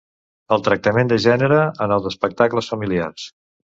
El tractament de gènere en els espectacles familiars.